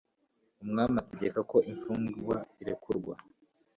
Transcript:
umwami ategeka ko imfungwa irekurwa